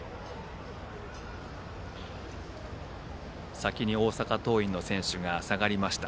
先に大阪桐蔭の選手が下がりました。